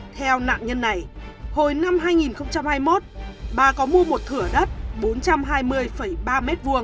theo nạn nhân này hồi năm hai nghìn hai mươi một bà có mua một thửa đất bốn trăm hai mươi ba m hai